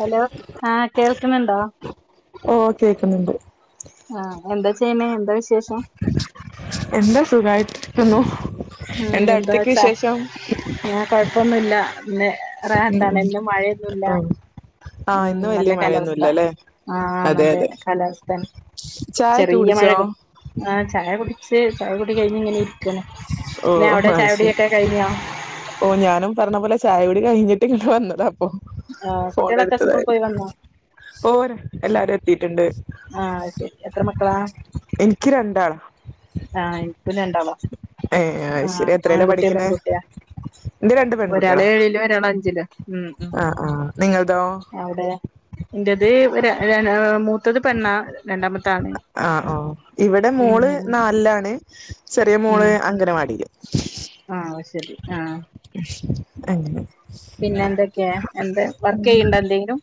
Hello ആഹ് കേൾക്ക്ണ് ഇണ്ടോ? ഓഹ് കേക്ക്ന്ന് ഇണ്ട്. ആഹ് എന്താ ചെയ്യ്ണെ? എന്താ വിശേഷം? എന്താ സുഖായിട്ട് ഇരിക്കുന്നു. ഉം എന്താ അയുടെത്തെക്കെ വിശേഷം? കൊഴപ്പൊന്നും ഇല്ല ഇന്ന് ഉം റഹത്താണ് ഇന്ന് മഴയൊന്നും ഇല്ല. ഉം ആഹ് ഉം ഇന്ന് നല്ല വല്യ കാലാവസ്ഥ മഴയൊന്നുല്ല അല്ലേ ആഹ് അതെ നല്ലെ അതെ കാലാവസ്ഥയെണ്. ചായൊക്കെ ചെറിയ മഴ കുടിച്ചോ ഒക്കെ ആഹ് ചായ കുടിച്ച് ചായ കുടി കഴിഞ്ഞ് ഇങ്ങനെ ഇര്ക്കാണ്. ഇല്ലാ അയുടെ ചായ കുടി ഒക്കെ കഴിഞ്ഞോ? ഓഹ് ഞാനും പർണ പോലെ ചായകുടി കഴിഞ്ഞിട്ട് ഇങ്ങെട്ട് വന്നതാ ഇപ്പോ ആഹ് കുട്ടിയാളൊക്കെ സ്കൂൾ പോയി വന്നോ? ഓഹ് രൺ എല്ലാരും എത്തിട്ട് ഇണ്ട്. ആഹ് അഹ് ശരി എത്ര മക്കളാ? എനിക്ക് രണ്ടാൾ ആഹ് ഇൻക്കും രണ്ട് ആളാ. ഏഹ് അത് ആഹ് ശരി എത്രേലാ ആൺകുട്ടിയാ പഠിക്കുന്നെ പെങ്കുട്ടിയാ എന്റെ രണ്ട് ഒരാൾ പെൺകുട്ടികളാ ഏഴിലും ഒരാൾ അഞ്ചിലും. ഉം ഉം ആഹ് ആഹ് നിങ്ങൾതോ? അവിടെ ഇന്റെത് ഒര് ഒര് മൂത്തത് പെണ്ണാ രണ്ടാമത്ത് ആണ്. ആ ആ ഇവിടെ ഉം മോള് നാലിലാണ് ചെറിയ മോള് അംഗനവാടിയില്. ആ അത് ശരി ആ ശ് അങ്ങനെ പിന്നെ എന്തൊക്കെയാ എന്താ വർക്ക് ചെയ്യ്ണ്ട എന്തെങ്കിലും.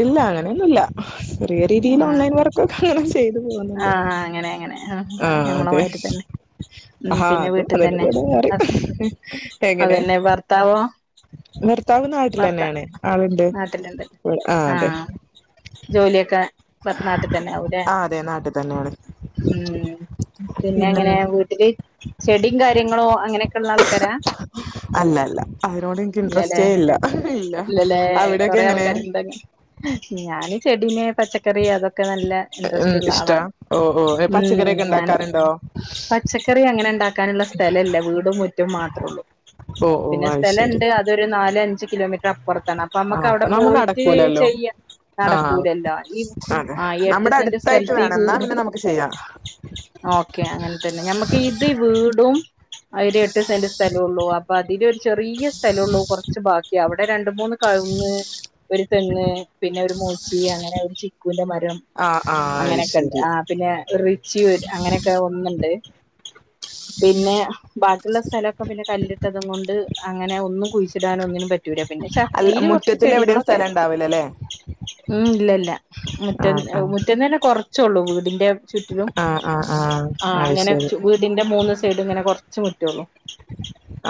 ഇല്ല അങ്ങനെയൊന്നുല്ല ചെറിയ രീതിയിൽ ആഹ് ഓൺലൈൻ വർക്കൊക്കെ അങ്ങനെ ചെയ്തു പോകുന്നുണ്ട്. ആഹ് അങ്ങനെ അങ്ങനെ. ഹം ആ ഞമ്മളെ അതെ മാതിരി തന്നെ. ഉം ആഹാ പിന്നെ അതും അതിന്റെ വീട്ടിതന്നെ കൂടെ വേറെ ഹസ് എങ്ങനെ അതന്നെ ഭർത്താവോ? ഭർത്താവ് ഭർത്ത നാട്ടിലെന്നെയാണ് ആളുണ്ട് നാട്ടില് ഉണ്ട് ആ ജോലിയൊക്കെ? ഭർ നാട്ടിൽ തന്നെ ആകൂല്ലേ ആ അതെ നാട്ടിൽ തന്നെയാണ് ഉം പിന്നെ പിന്നെങ്ങനെ വീ ട്ടില് ചെടിം കാര്യങ്ങളോ അങ്ങനെയൊക്കെള്ള ആൾക്കാരാ. അല്ല അല്ല അതിനോട് എനിക്ക് ഇല്ലല്ലേ ഇൻട്രസ്റ്റേ ഇല്ല ഇല്ല ഇല്ലല്ലേ അവിടെക്കെ കൊറേ എങ്ങനെ? ആൾക്കാരുണ്ടങ്ങ് ഞാന് ചെടിനെ പച്ചക്കറി അതൊക്കെ നല്ല ഉം ഇൻട്രസ്റ്റ്ള്ള ആളാ ഇഷ്ടാ ഓ ഓ ഉം പച്ചക്കറിയൊക്കെ ഞാൻ ഉണ്ടാക്കാറുണ്ടോ പച്ചക്കറി അങ്ങനെണ്ട ക്കാനുള്ള സ്ഥലല്ല വീടും മുറ്റും മാത്രേ ഉള്ളൂ. ഓ ഓ ആയിശ്. പിന്നെണ്ട് അതോരു നാല് അഞ്ച് കിലോമീറ്റർ അപ്പുറ ത്താണ് അപ്പൊ ആ നമ്മുക്ക് അവിടെ നമ്മ പോയിറ്റ് നടക്കൂലല്ലോ ചെയ്യാം ആ നടക്കൂലല്ലോ ഈ അതെ ആ ഈ എട്ട് നമ്മുടെ സെന്റ് അടുത്തായിട്ട് സ്ഥലത്ത് ഈ വേണം എന്നാ വീടും. പിന്നെ നമുക്ക് ചെയ്യാം ഓക്കെ അങ്ങനതന്നെ ഞമ്മക്ക് ഇത് വീടും അയ്ൽ എട്ട് സെന്റ് സ്ഥലള്ളൂ അപ്പൊ അതിൽ ഒരു ചെറിയ സ്ഥലള്ളൂ കുറച്ച് ബാക്കി അവിടെ രണ്ട് മൂന്ന് കഴുങ് ഒരു തെങ് പിന്നെ ഒരു മൂച്ചി അങ്ങനെ ഒരു ചിക്കുന്റെ മരം ആഹ് ആഹ് അത് അങ്ങനെയൊക്കെ ഉണ്ട് ശരി ആ പിന്നെ റിച്ചി അങ്ങനെയൊക്കെ ഒന്നുണ്ട് പിന്നെ. ബാക്കിയുള്ള സ്ഥലമൊക്കെ പിന്നെ കല്ലിട്ടതും കൊണ്ട് അങ്ങനെ ഒന്നും കുഴിച്ചിടാൻ ഒന്നിനും പ റ്റൂല പിന്നെ അല്ല ചട്ടിയില് കുറച്ച് മുറ്റത്തിൽ എവിടെയും ചെടികളൊക്കെ സ്ഥലം ഉണ്ടാവില്ലല്ലേ ഉം ഇല്ലല്ല. മുറ്റൻ ആഹ് ആഹ് മുറ്റൻ തന്നെ കുറച്ചോള്ളൂ വീടിന്റെ ചുറ്റിനും ആഹ് ആഹ് ആഹ് ആ അത് അങ്ങനെ ശരി വീ ടിന്റെ മൂന്ന് സൈഡ് ങ്ങനെ കുറച്ച് മുറ്റൊള്ളൂ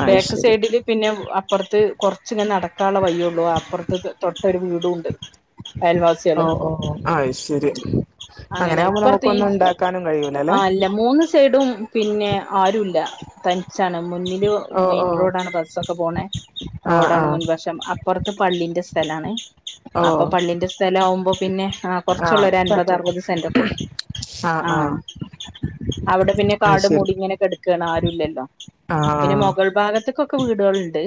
അത് ബാക്ക് ശരി സൈഡിൽ. പിന്നെ അപ്പുറത്ത് കുറച്ച് ഇങ്ങനെ നടക്കാനുള്ള വയ്യ് ഒള്ളൂ അപ്പുറത്ത് തൊട്ടൊരു വീടും ഉണ്ട് അയൽവാസികള്. ഓ ഓ അത് ശരി അങ്ങനെ ആകുമ്പോ ഇപ്പറത്തീ നമുക്കൊന്നും ഉണ്ടാക്കാനും ആ കഴിയൂലല്ലേ അല്ല മൂന്ന് സൈഡും പിന്നെ ആരുല്ല തനിച്ചാണ് മുന്നിലും ഓ മെയിൻ ഓ റോഡാണ് ബസ്ഒക്കെ പോണ ആഹ് റോഡാണ് ആഹ് മുൻവശ റ്റം അപ്പുറത്ത് പള്ളിന്റെ സ്ഥലാണ് ഓ അപ്പൊ പള്ളിന്റെ സ്ഥലം ആകുമ്പോ പിന്നെ ആ കൊർച്ചൊള്ളൂ ആഹ് ഒരു അൻപത് പറ്റും അറുപത് സെന്റ് ഒക്കെ ഉള്ളൂ ആഹ് ആ ആഹ് അവിടെ പിന്നെ അത് കാട് ശരി മൂടിങ്ങനെ കെട്ക്കാണ് ആരും ഇല്ലല്ലോ പിന്നെ ആഹ് മുഗൾ ഭാഗത്ത്ക്കൊക്കെ വീടുകളുണ്ട്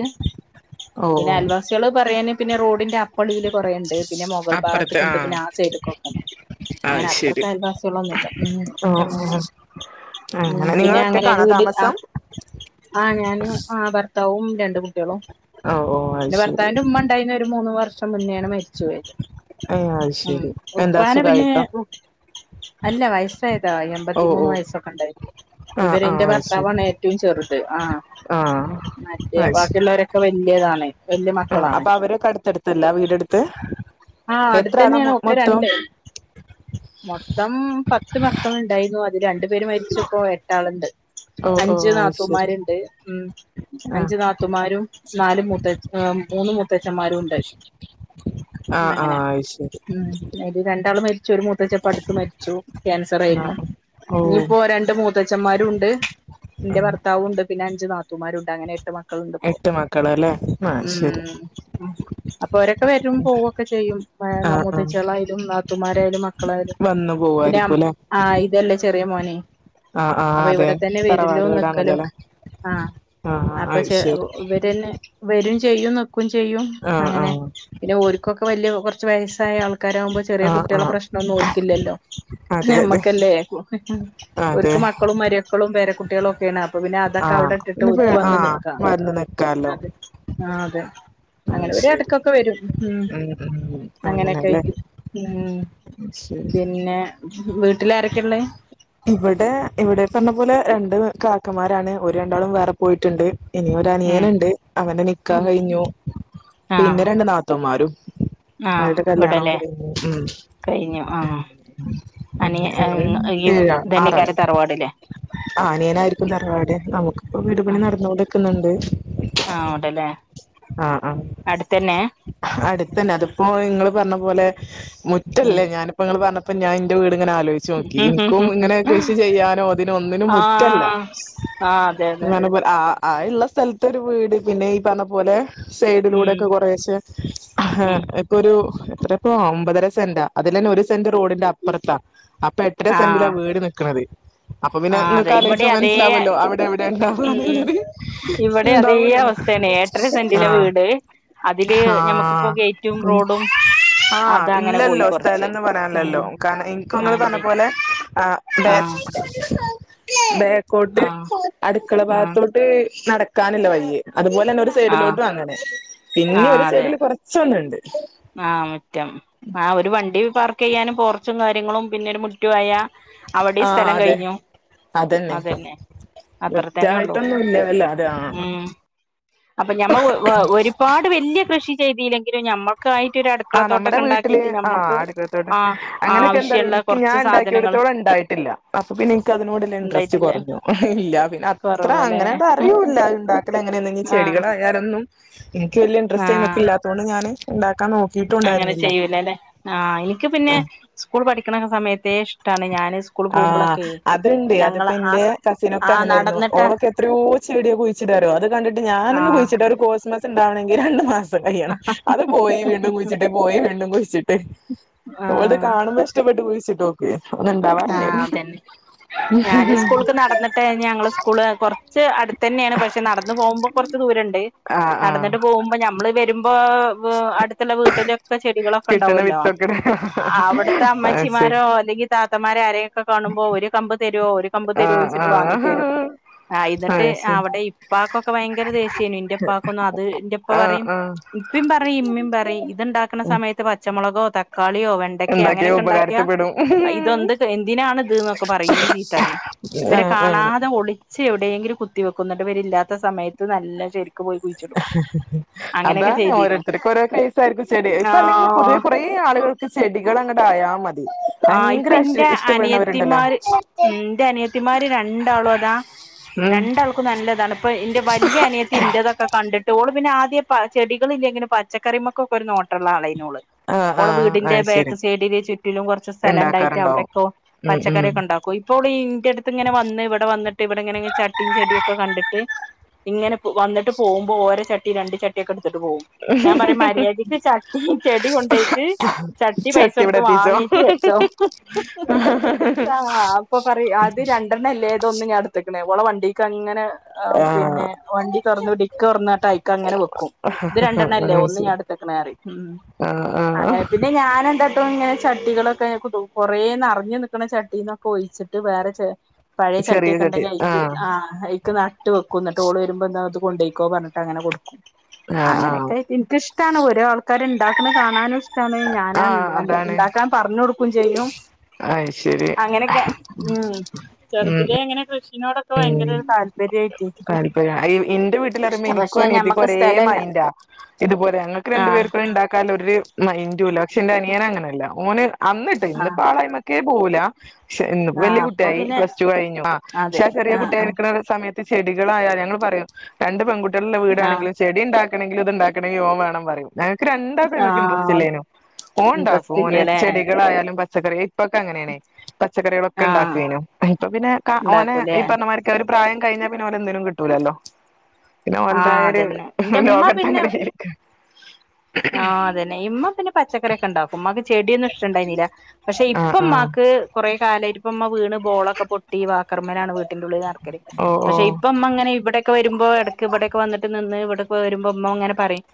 ഓ ഓ സിള് പറയാന് പിന്നെ റോഡിന്റെ അപ്പൊളിയിൽ കുറേണ്ട് പിന്നെ മുകൾ അപ്പുറത്ത് ഭാഗത്ത്ക്ക്ണ്ട് ആഹ് പിന്നെ ആ സയ്ഡ്ക്കൊക്കെണ്ട് അത് അങ്ങനെ ശരി അത്രക്ക് അയൽവാസി കളൊന്നുല്ല ഉം ഓ ഓ അങ്ങനെ ഉം അങ്ങനെ പിന്നെ നിങ്ങള് അങ്ങനെ ഒറ്റക്കാണോ വീട് ആ താമസം ആ ഞാനും ആ ഭർത്താവും രണ്ട് കുട്ടികളും ഓ ഓ അത് ന്റെ ശരി ഭർത്താവിന്റെ ഉമ്മ ഉണ്ടായിന്ന് ഒരു മൂന്ന് വർഷം മുന്നേണ് മരിച്ചു പോയത് ഏ അത് ഉം ശരി എന്താ ഉപ്പാന പിന്നെ സുഖായിട്ടോ ഉം അല്ല വയസ്സായതാ ഓ ഓ എൺമ്പത്തിമൂന്ന് വയസ്സൊക്കെണ്ടായ്ര്ന്ന് ആ ആ അത് ശരി ഇവരെന്റെഭർത്താവാണ് ഏ റ്റവും ചെറുത് ആ ആ മറ്റേ ബാക്കിയുള്ളവരൊക്കെ വല്യയതാണ് ആഹ് അപ്പൊ അവര് അടുത്തടുത്തല്ല വീടെടുത്ത് ആഹ് എത്ര ആളാ അടുത്തന്നെയാണ് മൊ ഒക്കെ രണ്ട് മൊത്തം മൊത്തം പത്ത് മക്കള് ഇണ്ടായിരുന്നു അത് രണ്ടു പേര് മരിച്ച് ഇപ്പോ എട്ടാളുണ്ട്. ഓ ഓ അഞ്ച് അത് ശരി നാത്തൂമാരുണ്ട് ഉം ആ അഞ്ച് നാത്തുമാരും നാല് മുത്തച മൂന്ന് മൂത്തച്ഛന്മാരും ഉണ്ട് ആ ഉം ആ അങ്ങനെ അത് ശരി ഉം അയില് രണ്ടാള് മരിച്ചു ച്ചു ഒരു മൂത്തച്ചൻ ഇപ്പൊ അടുത്ത് മരിച്ചു ക്യാൻസർ ആ ആയിരുന്നു ഓ ഇനിയിപ്പോ രണ്ട് മൂ മുത്തച്ഛന്മാരുണ്ട് എന്റെ ഉം. ഭർത്താവുണ്ട് പിന്നെ അഞ്ച് നാത്തുമാരുണ്ട് അങ്ങനെ എട്ട് മക്കൾ മക്കൾ ഉണ്ട് ഇപ്പൊ എട്ട് മക്കളല്ലേ ആ ശരി ഉം അപ്പൊ അവരൊക്കെ വരും പോകും ഒക്കെ ചെയ്യും ആ ഏ ആ മുത്തച്ചികളായാലും നാത്തുമാരായാലും മക്കളായാലും വന്നു പിന്നെ പോവായിരിക്കും ല്ലേ ആഹ് ഇതല്ലേ ചെറിയ മോന് ആ ആ അപ്പൊ അതെ ഇവിടെ തന്നെ തറവാട് വരലും നിക്കലും വീടാണല്ലോല്ലേ ആഹ് ആ ആ അപ്പൊ അത് ച ശരി ഇവരന്നെ വരും ചെയ്യും നിക്കും ചെയ്യും ആ ആ അങ്ങനെ പിന്നെ ഓ [unintelligible] കുറച്ച് വയസ്സായ ആൾക്കാരാവുമ്പോൾ ചെറിയ ആ ആ കുട്ടികളെ പ്രശ്നമൊന്നും ഓല്ക്കില്ലല്ലോ അതെ അതെ ഞമ്മക്കല്ലേ അതെ ഒര്ക്ക് മക്കളും മരുക്കളും പേര കുട്ടികളും ഒക്കെയാണ് അപ്പ പിന്നെ ആ അതൊക്കെ അവിടെ ഇട്ടിട്ട് പിന്നെ പേ ഒര്ക്ക് ആ വന്ന് നിക്കാം വന്ന് നിക്കാലോ അത് ആഹ് അതെ അത് അങ്ങനെ ഒ ാര് എടക്ക് ശരി ക്കൊക്കെ വരും ഉം ഉം ഉം അങ്ങനെയൊക്കെ അങ്ങനെല്ലേ ആയിട്ട് ഉം ശരി പിന്നെ വീട്ടില് ആരൊക്കെയാ ഉള്ളത്? ഇവിടെ ഇവിടെ ഈ പറഞ്ഞ പോലെ രണ്ട് കാക്കന്മാരാണ് ഒാര് രണ്ടാളും വേറെ പോയിട്ടുണ്ട്. ഇനി ഒരു അനിയനുണ്ട് അവന്റെ നിക്കാഹ് ഉം കഴിഞ്ഞു പിന്നെ ആഹ് രണ്ട് നാത്തുന്മാരും ആഹ് ഇവിടല്ലേ കഴിഞ്ഞു ആഹ് അങ്ങനെ അനിയൻ ഞങ്ങള് ഈ ഇതെന്നെ ക്കാരം തറവാടല്ലേ ആഹ് അനിയനായിരിക്കും തറവാട് നമുക്കിപ്പോ വീടുപണി ആഹ് നടന്നുകൊണ്ട് ഇരിക്കുന്നുണ്ട്. ആഹ് അവിടെല്ലേ ആഹ് ആഹ് അടുത്തന്നെ അടുത്തന്നെ അതിപ്പോ നിങ്ങള് പറഞ്ഞ പോലെ ഉം മുറ്റല്ലേ ഞാൻ ഇപ്പോ ങ്ങള് പറഞ്ഞപ്പോ ഞാനിന്റെ വീട്ങ്ങനെ ആലോച്ച് നോക്കി ഇന് ക്കും ഇങ്ങനെ കൃഷി ചെയ്യാനോ അതിനോ ഒന്നിനും മുറ്റല്ല ആഹ് ആഹ് അതെ അതെ ആഹ് ആഹ് ഇള്ള സ്ഥലത്ത് ഒരു വീട് പിന്നെ ഈ പറഞ്ഞ പോലെ സൈഡിലൂടെ ഉം ഒക്കെ കുറേശെ ഉം ഒരു എത്ര ഇപ്പോ ഒമ്പതര സെന്റാ അതിലന്നെ ഒരു സെന്റ് റോഡിന്റെ അപ്പുറത്താ അപ്പൊ സന്റില ആഹ് വീട് വെക്ക്ണത് അപ്പൊ ആ പിന്നെ അതെ ഇങ്ങക്ക് ഇവിടെ ആലോചിച്ചാൽ അതേ മനസ്സിലാവല്ലോ അവിടെ എവിടെ ഉണ്ടാവന്നുള്ളത് ഇണ്ടാവൂലല്ലോ തന്നെ എട്ടര സെന്റിലെ ആഹ് വീട് അതില് നമുക്കിപ്പോ ഗേറ്റും റോഡും ആ അത് അങ്ങനെ പോയി ഇല്ലല്ലോ കൊറച്ച് സ്ഥലംന്ന് ഉം പറയാനില്ലല്ലോ കാരണം എനിക്ക് തോന്നണ് തന്നെ ആല്ലേ പോലെ. ആ ബേ ആ ബേക്കോട്ട് ആ അടുക്കള ആ ഭാഗത്തോട്ട് നടക്കാനില്ല വഴിയെ അതുപോലെന്നെ ഒരു ആ സൈഡിലോട്ട് അങ്ങനെ. ആ പിന്നെ ഒരു അതെ സൈഡില് കുറ ച്ചന്നുണ്ട്. ആ മുറ്റം. ആ ഒരു വണ്ടി പാർക്ക് ചെയ്യാനും പോർച്ചും കാര്യങ്ങളും പിന്നൊരു മു റ്റുആയ അവിടെ ആഹ് സ്ഥലം അതെ കഴിഞ്ഞു അതന്നെ. അത്ര തന്നെ ഉള്ളു മുറ്റായിട്ടൊന്നുംല്ല അല്ല അതെ ആഹ് ഉം അപ്പൊ ഞമ്മ ഒരുപാട് വലിയ കൃഷി ചെയ്തിയില്ലെങ്കിലും ഞമ്മ നമുക്കായിട്ട് ഒരു ആ അടുക്കള നമ്മുടെ തോട്ടൊക്കെ വീട്ടില് ഉണ്ടാക്കിട്ട് ആ നമ്മുക്ക് അടുക്കളത്തോട്ടം ആ അങ്ങനെയൊക്കെ എന്താ പറയാ ആവശ്യള്ള എനിക്ക് കൊറച്ച് ഞാൻ സാധനങ്ങള് ഉണ്ടാക്കിയയിടത്തോളം ഉണ്ടായിട്ടില്ല. അപ്പൊ പിന്നെ എനിക്ക് അതിനോടുള്ള ഇൻട്രസ്റ്റ് ഉണ്ടായിട്ടില്ല കുറഞ്ഞു. ഇല്ല പിന്നെ ഇത്ര കൊറവല്ലേ അങ്ങനാണ്ട് അറിയൂല്ല ഇണ്ട ഇവിടെ എങ്ങനെ എന്തെങ്കിലും ആഹ് ചെടികളായാലൊന്നും എനിക്കു വലിയ ഇൻട്രസ്റ്റ്യ്മക്ക് ആഹ് ഇല്ലാത്ത കൊണ്ട് ഞാനും ഉണ്ടാക്കാൻ നോക്ക അങ്ങനെ ചെയ്യൂല അല്ലെ. ആ ഇന്ക്ക് പിന്നെ സ്കൂൾ പഠിക്കണ സമയത്തെ ഇ ആ അതിണ്ട് അത്പ്പോ ഞങ്ങള് ആ എന്റെ സ കസിനൊക്കെ ആഹ് അങ്ങനെയായിരുന്നു നടന്നിട്ടാ ഓളക്കെ. എത്രയോ ചെടിയോ കുഴിച്ചിടാറിയോ അത് കണ്ടിട്ട് ഞാനൊന്ന് ആഹ് കുഴിച്ചിട്ട് ഒരു കോസ്മസ് ഉണ്ടാവണമെങ്കി രണ്ട് മാസം ത് അഹ് കയ്യ്ണം അത് പോയി വീണ്ടും കുഴിച്ചിട്ട് പോയി വീണ്ടും കുഴിച്ചിട്ട് അത് ആഹ് കാണുമ്പ ഷ്ടപ്പെട്ട് കുഴിച്ചിട്ടോ. കേക്ക്ന്നുണ്ടാ ആഹ് അതന്നെ. ഞാന് സ്കൂൾക്ക് നടന്നിട്ട് കഴിഞ്ഞ് ഞങ്ങള് സ്കൂള് കുറച്ച് അടുത്ത് തന്നെയാണ് പക്ഷെ നടന്ന് പോകുമ്പോ കുറ ച് ദൂരണ്ട് ആഹ് ആഹ് നടന്നിട്ട് പോകുമ്പോ നമ്മള് വരും. ഇപ്പൊ വേ അടുത്തുള്ള വീട്ടിലൊക്കെ ചെടികളൊക്കെ കിട്ടണ ഉണ്ടാവോല്ലോ. വിത്തൊക്കെട അവിടത്തെ അത് ശരി അമ്മച്ചിമാരോ അല്ലെങ്കി താത്തമാരെ ആരെയൊക്കെ കാണുമ്പോ ഒരു കമ്പ് തരുവോ ഒരു കമ്പ് തരുവോ ആഹ് ഓഴിച്ചിട്ട് വാങ്ങിച്ച് ആഹ് തരും. ആഹ് ഇന്നട്ട് അത് ശരി അവിടെ ഇപ്പാക്കൊക്കെ ഭയങ്കര ദേഷ്യായിരുന്നു. ഇന്റെപ്പക്കൊന്നും അത് എന്റെയിപ്പ ആഹ് പറയും. ആഹ് മ്മീം പറയും ഇമ്മേം പറയും ഇതുണ്ടാക്കുന്ന സമയത്ത് പച്ചമുളക്കോ തക്കാളിയോ വെണ്ടക്കയോ എന്താക്കിയ അങ്ങനെയൊക്കെ ഉപകാരത്തി ഉണ്ടാക്കിയാ. പെടും ഇതൊന്ത് എന്തിനാണ് ഇത് ന്നൊക്കെ പറയു ഞ് ചീത്ത പറയും. ഇവരെ ആഹ് ആഹ് കാണാതെ ഒളി ച് എവിടെയെങ്കില് കുത്തി വെക്കും എന്നിട്ട് ഇവരില്ലാത്ത സമയത്ത് നല്ല ശെരിക്ക് പോയി കു അതാണ് ഓരോരുത്തർക്ക് ഓരോ കേസായിരിക്കും ചെടി ഇപ്പ അല്ലെങ്കിലും ആഹ് പൊതുവെ കുറേ ഏ ആളുകൾക്ക് ചെടികൾ അങ്ങ് ആയാ മതി. ആഹ് ഭയങ്കര ഇപ്പൊ ഇഷ് ന്റെ ഇഷ്ടപ്പെടുന്നവരുണ്ടല്ലോ അനിയത്തിമാര് ഉം ന്റെ അനിയത്തിമാര് രണ്ടാള് അതാ ഉം രണ്ടാൾക്കും നല്ലതാണ് ഇപ്പൊ ഇന്റെ വല്യ അനിയത്തി ഇന്റേതൊക്കെ കണ്ടി ട്ട് ഓള് പിന്നെ ആദ്യ പ ചെടികൾല്ലെങ്കിലും പച്ചക്കറിമൊക്ക ഒക്കെ ഒരു നോട്ടള്ള ആളേഞ്ഞോള് ആഹ് ഓള ആഹ് വീടിന്റെ അത് ശരി ബേക്ക് സൈഡ്ല് ചുറ്റിലും കുറച്ച് സ്ഥലംണ്ടായിട്ട് ഉണ്ടാക്കാറുണ്ടാവും അവിടെക്കൊ ഉം ഉം പച്ചക്കറിക്ക ണ്ടാക്കും. ഇപ്പോള് ഇന്റെ അടുത്ത് ഇങ്ങനെ വന്ന് ഇവിടെ വന്നിട്ട് ഇവിടെ ഇങ്ങനെ ചട്ടിയും ചെടിയൊക്കെ കണ്ടിട്ട് ഇങ്ങനെ വന്നിട്ട് പോഉമ്പോ ഓരോ ചട്ടിയും രണ്ട് ചട്ടിയൊക്കെ എടുത്തിട്ട് പോകും. ഞാൻ പറയും മര്യാദയ്ക്ക് ചട്ടി ചെടി കൊണ്ടോയിട്ട് ചട്ടി പൈസ ഇവിടെ കൊടുത്ത് എത്തിച്ചോ വാങ്ങി്. ജ്ജ് വച്ചോ, ആഹ് അപ്പൊ പറയും അത് ര ണ്ടണല്ലേതോന്ന് ഞാ എടുത്ക്ണേ ഓളെ വണ്ടിക്കങ്ങനെ. ആഹ് പിന്നെ വണ്ടി തുറന്ന് ഡിക്ക് തുറന്നിട്ട് അയ്ക്ക അങ്ങനെ വെക്കും. ഇത് അത് രണ്ടെണ്ണം ശരി അല്ലേ ഒന്ന് ഞാൻ എടു ത്ക്ണ് അറിം ആഹ് ആഹ് അങ്ങനെ പിന്നെ ഞാന് എന്താട്ടും ഇങ്ങനെ ച ട്ടികളൊക്കെ കൊറേ നിറഞ്ഞു നിക്കുന്ന ചട്ടിന്നൊക്കെ ഒഴിച്ചിട്ട് വേറെ ച പഴയ ചെറിയ ചട്ടിയൊക്കെ ചട്ടി ഉണ്ടെങ്കി അയിക് ആഹ് അയ് ക്ക് നട്ട് വെക്കും. ന്നട്ട് ഓൾ വരുമ്പോ ന്നാത് കൊണ്ട്യ്ക്കോ പറഞ്ഞിട്ട് അങ്ങനെ കൊടുക്കും. ആഹ് ആഹ് അങ്ങനെയൊക്കെ എനിക്കിഷ്ടാണ് ഓരോ ആൾക്കാർ ഇണ്ടാക്കണ കാണാനും ഇഷ് ടാണ്, ആഹ് ഞാനാണ്ട് അതാണ് ഇണ്ടാക്കാൻ പറഞ്ഞുടുക്കും ചെയ്യും. അയ്ശരി അങ്ങനൊക്കെ ഉം ഉം ചെറുതിലെ ഇങ്ങനെ കൃഷിനോടൊക്കെ ഉം ഭയങ്കര താല്പ താല്പര്യം എന്റെ ഇഷ്ട വീട്ടിലറിയുമ്പോ എനിക്കും പക്ഷെ അനിയത്തിക്കും ഞമ്മക്ക് ഒരേ സ്ഥലല്ല മൈന്റാ. ഇതുപോലെ ഞങ്ങൾക്ക് രണ്ടു ആഹ് പേർക്കൂ ഉണ്ടാക്കാൻ ഒരു മഇന്റുല്ല വക്ഷെ ന്റെ അനിയന് അങ്ങനല്ല ഓന് അന്നിട്ട് ആഹ് ഇന്നിപ്പോ ആളായ്മക്കേ പോവുല ശെ ഇന്ന് പ്പോ ആഹ് വല്യയ അപ്പൊ കുട്ടിയായി പിന്നെ പ്ലസ്ടു കഴിഞ്ഞു അ അതെ ചെറിയ ആഹ് ആഹ് കുട്ടിയായിക്ക്ണ സമയത്ത് ചെടികളായൽ ഞങ്ങൾ പറയും രണ്ട് പെൺകുട്ടിള്ള്ള ആഹ് വീടാണെങ്കില് ചെടി ണ്ടാക്കണങ്കിലും ഇത് ഉണ്ടാക്കണങ്കിലും ഓൻ വേണം പറയും ഞക്ക് രണ്ടാക്കും അയിമക്ക് ഇൻട്രസ്റ്റ് ആഹ് ഇല്ലേനും ഓൻ ണ്ടാക്കും ഇൻട്രസ്റ്റ് ഓന് ഇല്ലല്ലേ ചെടികളായാലും പച് ച്ചക്കറി ഇപ്പൊക്കെ അങ്ങനെണ് പച്ചക്കറികളൊക്കെ ആഹ് ണ്ടാക്കേനു ഇപ്പൊ പിന്നെ കാ ഓനെ ഉണ്ടാക്കൂലേ മ്മ മാർക്കെ ഒരു പ്രായം കഴിഞ്ഞാ പിന്നെ ഒലെ ഒന്നിനും കിട്ടൂല്ലല്ലോ പിന്നെ ആഹ് ഒന്തായൊരു അതന്നെ എന്റെ ഇമ്മ ലോകത്ത് പിന്നെ അങ്ങനെ ജീവിക്ക ആഹ് അതന്നെ ഇമ്മ പിന്നെ പച്ചക്കറി. ക്കെണ്ടാക്കും ഉമ്മാക് ചെടിയൊന്നും ഇഷ്ടണ്ടായിന്നില പക്ഷെ ആഹ് ഇപ്പം ആഹ് മ്മാക്ക് കുറെ കാലായിട്ട് ഉമ്മ വീണ് ബോളൊക്കെ പൊ ട്ടീ വാക്കർമ്മലാണ് വീട്ട്ന്റെ ഉള്ളിൽ നടക്കല് ഓ ഓ പക്ഷെ ഇപ്പം മ്മ ങ്ങനെ ഇവിടെ ഇപ്പോ വരുമ്പോ ഇടക്ക് ഇവിടയൊക്കെ വന്ന് നിന്ന് ഇവിടക്കെ വരുമ്പോ മ്മ ങ്ങനെ പറയും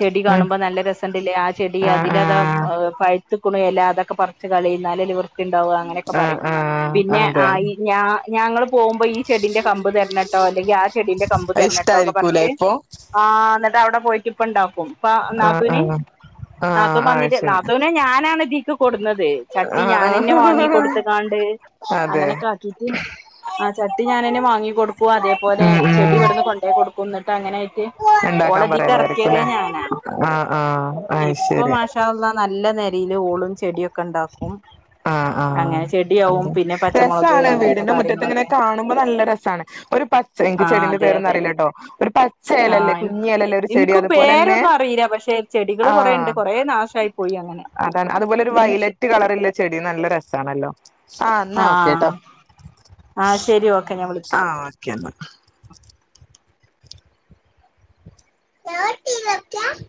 ചെടി കാണു ഉം ല്ല രസണ്ട് ലെ ആഹ് ചെടി ആഹ് അതിലതാ ആഹ് പഴ്ത്ത്ക്കുണു എല അതൊക്കെ പറച്ച് കളി എന്നാലല്ലേ വിർ തിണ്ടാവ അങ്ങനയൊക്കെ ആഹ് പറയും ആഹ് പിന്നെ അതെ ആഹ് ഇ അത് ഞാ ഞങ്ങൾ പോകുമ്പോ ഈ ചെടിന്റെ കമ്പ് തരണട്ടോ അല്ലെങ്കി ആ ചെടിന്റെ കമ്പ് തരണട്ടോ ഒക്കെ ഇഷ്ടായിരിക്കൂലേ പറഞ്ട്ട് ഇപ്പൊ ആഹ് എന്നിട്ട് അവിടെ പോയിട്ട് ഇപ്പ ണ്ടാക്കും. ആഹ് നാത്തുന് ആഹ് ആഹ് നാത്തൂൻ ആഹ് വന്ന്റ്റ് ശരി നാത്തൂനെ ഞാനാണ് ഇതിക്ക് കൊടുന്നത് ചട്ടി ആഹ് ഞാനന്നെ വാങ്ങി ആഹ് കൊടുത്ത് കാണ്ട് അതെ അങ്ങനെയൊക്കെ ആക്കിട്ട് ആഹ് ചട്ടി ഞാനന്നെ വാങ്ങി കൊടുക്കും അതേപോലെ ഉം ചെടി ഇവിടുന്ന് കൊണ്ടോയി കൊടുക്കും എന്നിട്ട് അങ്ങനെ ആയിട്ട്. ണ്ടാക്കാൻ പറയലായിരിക്കുലെ ആഹ് ആഹ്. അയ് ഇപ്പൊ ശരി മാഷാള്ളാ നല്ല നലയില് ഓളും ചെടിയൊക്കെ ണ്ടാക്കും. ആഹ് ആഹ് അതെ പച്ചമുളക് രസാണ് അങ്ങനത്തെ വീടിന്റെ മുറ്റത്ത് ഇങ്ങനെ കാര്യങ്ങളൊക്കെ കാണുമ്പോ നല്ല രസാണ് ഒരു പ ശെ ഇൻക് ആ ചെടിന്റെ അതെ പേരൊന്നും അതെ അറീലട്ടോ ആഹ് ഇൻക്കും പേരൊന്നും അറിയില പക്ഷെ ചെടികൾ കൊറേണ്ട് ആഹ് കൊറെ നാശായി പോയി അങ്ങനെ. അതാണ് അതുപോലെ ഒരു ഉം ശ വയലറ്റ് കളറള്ള ചെടി നല്ല രസാണല്ലോ ആഹ് എന്നാ ഓക്കെ ട്ടോ. ആഹ് ആഹ് സരി ഓക്കെ ഞാൻ വിളിക്കാ. [unintelligible] [unintelligible]